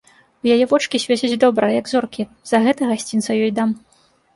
У яе вочкі свецяць добра, як зоркі, за гэта гасцінца ёй дам.